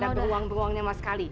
ada beruang beruangnya sama sekali